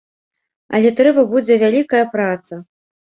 Але трэба будзе вялікая праца.